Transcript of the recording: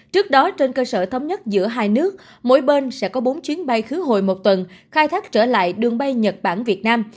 trước đó trên cơ sở thống nhất giữa hai nước mỗi bên sẽ có bốn chuyến bay khứ hồi một tuần khai thác trở lại đường bay nhật bản việt nam